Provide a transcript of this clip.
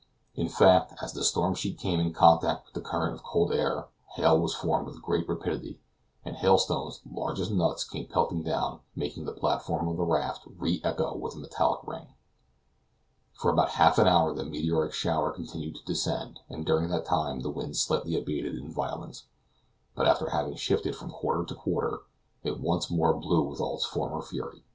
In fact, as the storm sheet came in contact with a current of cold air, hail was formed with great rapidity, and hailstones, large as nuts, came pelting down, making the platform of the raft re echo with a metallic ring. For about half an hour the meteoric shower continued to descend, and during that time the wind slightly abated in violence; but after having shifted from quarter to quarter, it once more blew with all its former fury.